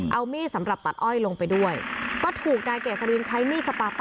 เอามีดสำหรับตัดอ้อยลงไปด้วยก็ถูกนายเกษรินใช้มีดสปาต้า